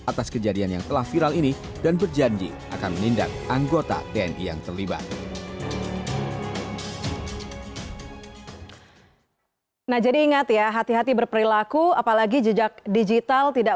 atas kejadian yang telah viral ini dan berjanji akan menindak anggota tni yang terlibat